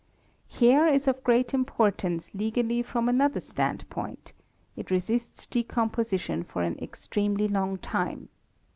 | Hair is of great importance legally from another stand point, it resists decomposition for an extremely long time.